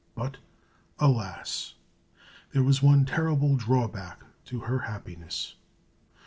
But, alas! there was one terrible drawback to her happiness.